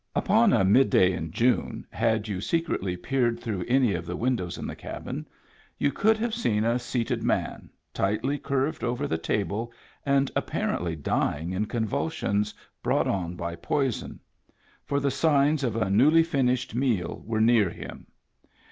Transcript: Upon a midday in June, had you secretly peered through any of the windows in the cabin, you could have seen a seated man, tightly curved over the table and apparently dying in convul sions brought on by poison ; for the signs of a newly finished meal were near him.